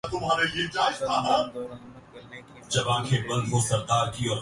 گندم درآمدکرنے کی منظوری دےدی ہے